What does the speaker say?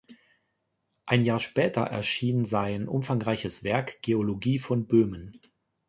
Ein Jahr später erschien sein umfangreiches Werk "Geologie von Böhmen".